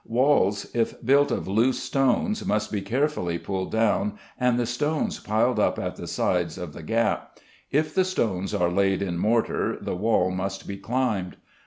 Walls, if built of loose stones, must be carefully pulled down and the stones piled up at the sides of the gap; if the stones are laid in mortar the wall must be climbed.